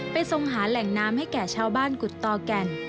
ทรงหาแหล่งน้ำให้แก่ชาวบ้านกุฎตอแก่น